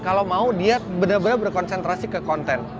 kalau mau dia benar benar berkonsentrasi ke konten